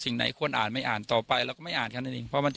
ลุงพลบอกว่ามันก็เป็นการทำความเข้าใจกันมากกว่าเดี๋ยวลองฟังดูค่ะ